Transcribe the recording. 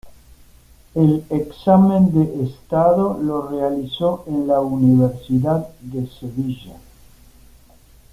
El examen de estado lo realizó en la Universidad de Sevilla.